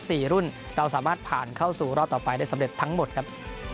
สี่รุ่นเราสามารถผ่านเข้าสู่รอบต่อไปได้สำเร็จทั้งหมดครับ